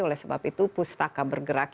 oleh sebab itu pustaka bergerak